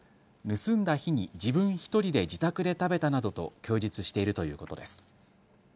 盗んだ日に自分１人で自宅で食べたなどと供述しているということです。